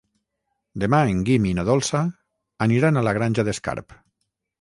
Demà en Guim i na Dolça aniran a la Granja d'Escarp.